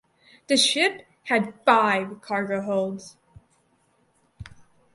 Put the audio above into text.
The ship had five cargo holds.